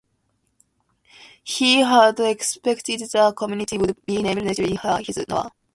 He had expected the community would be named "Richards" in his honor.